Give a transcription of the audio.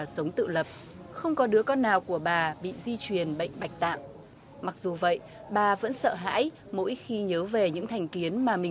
xin kính chào tạm biệt và hẹn gặp lại